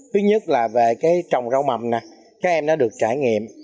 thứ nhất là về cái trồng rau mầm nè các em nó được trải nghiệm